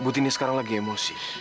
bu tini sekarang lagi emosi